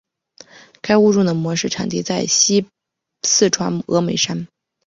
该物种的模式产地在四川峨眉山。